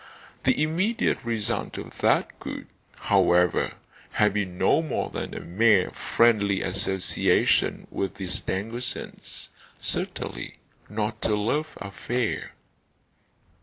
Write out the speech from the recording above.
The immediate result of that could, however, have been no more than a mere friendly association with the Stangersons; certainly, not a love affair.